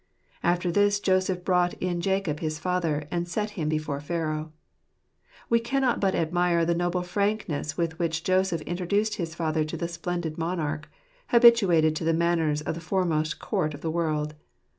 After this Joseph brought in Jacob his father, and set him before Pharaoh. We cannot but admire the noble frankness with which Joseph introduced his father to the splendid monarch, habituated to the manners of the foremost court of the world.